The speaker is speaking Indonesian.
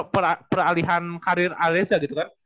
apa peralihan karir areza gitu kan